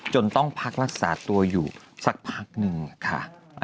ต้องพักรักษาตัวอยู่สักพักหนึ่งค่ะ